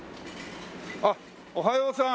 あっおはようさん。